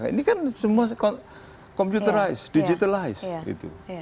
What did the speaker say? ini kan semua digitalized